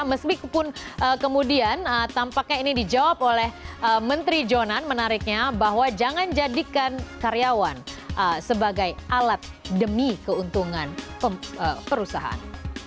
meskipun kemudian tampaknya ini dijawab oleh menteri jonan menariknya bahwa jangan jadikan karyawan sebagai alat demi keuntungan perusahaan